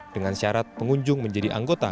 dengan syarat pengunjung menjadi anggota